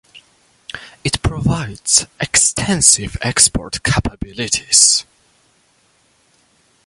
It provides extensive export capabilities.